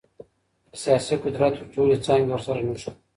که سياسي قدرت وي ټولي څانګي ورسره نښلي.